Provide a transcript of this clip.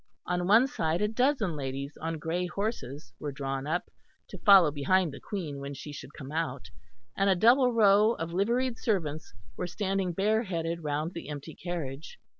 On one side a dozen ladies on grey horses were drawn up, to follow behind the Queen when she should come out; and a double row of liveried servants were standing bare headed round the empty carriage.